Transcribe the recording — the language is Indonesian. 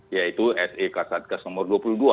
yaitu se kasat gas nomor dua puluh dua